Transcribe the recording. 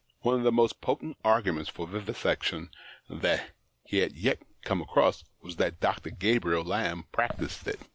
One of the most potent arguments for vivisection that he had yet come across was that Dr. Gabriel Lamb practised it.